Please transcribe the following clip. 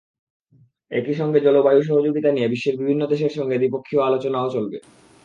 একই সঙ্গে জলবায়ু সহযোগিতা নিয়ে বিশ্বের বিভিন্ন দেশের সঙ্গে দ্বিপক্ষীয় আলোচনাও চলবে।